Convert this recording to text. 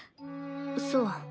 そう。